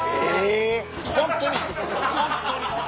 ホントにホントに。